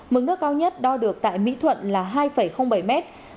mức nước cao nhất đo được tại mỹ thuận là hai bảy mét